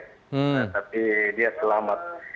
tapi dia selamat